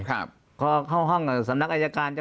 ปากกับภาคภูมิ